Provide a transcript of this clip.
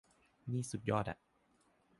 นี่สุดยอดอ่ะ